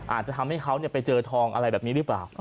อาจจะทำให้เขาไปเจอทองอะไรแบบนี้หรือเปล่า